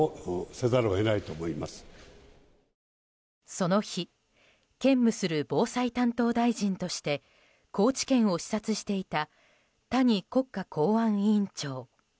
その日、兼務する防災担当大臣として高知県を視察していた谷国家公安委員長。